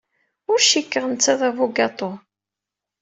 Ur cikkeɣ netta d abugaṭu.